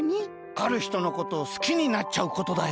あるひとのことをすきになっちゃうことだよ。